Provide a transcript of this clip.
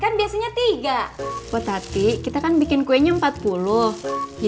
mbak mojak gak bawa hpnya